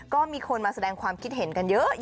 ก็มีคนมาแสดงความคิดเห็นกันเยอะ